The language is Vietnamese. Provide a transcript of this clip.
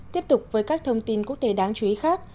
tiếp tục với các thông tin quốc tế đáng chú ý khác